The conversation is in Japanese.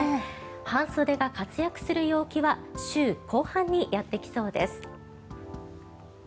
半袖が活躍する陽気は週後半にやってきそうです。